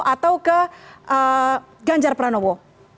atau ke ganjar pranowo